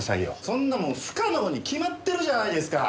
そんなもん不可能に決まってるじゃないですか！